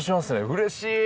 うれしい！